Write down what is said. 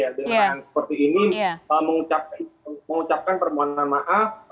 dengan seperti ini mengucapkan permohonan maaf